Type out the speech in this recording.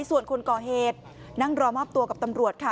ส่วนคนก่อเหตุนั่งรอมอบตัวกับตำรวจค่ะ